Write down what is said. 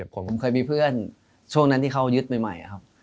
ผมเคยมีเพื่อนช่วงนั้นที่เขายึดใหม่ครับ